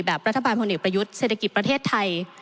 รัฐบาลพลเอกประยุทธ์เศรษฐกิจประเทศไทย